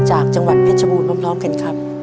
จากจังหวัดเพชรบูรณ์พร้อมกันครับ